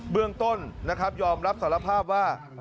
เรื่องต้นนะครับยอมรับสารภาพว่า